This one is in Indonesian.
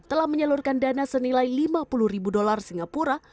telah menyalurkan dana senilai lima puluh ribu dolar singapura